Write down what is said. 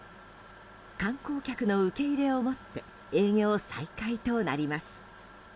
観光客の受け入れをもって営業再開となります。